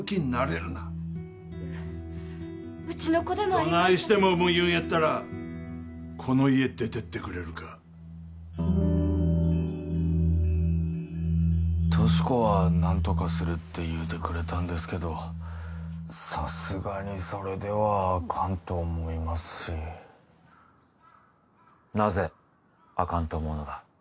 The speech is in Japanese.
どないしても産む言うんやったらこの家出てってくれるか俊子は何とかするって言うてくれたんですけどさすがにそれではあかんと思いますしなぜあかんと思うのだ？